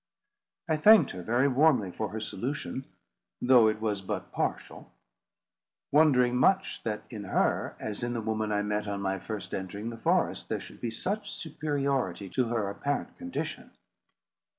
I thanked her very warmly for her solution, though it was but partial; wondering much that in her, as in woman I met on my first entering the forest, there should be such superiority to her apparent condition.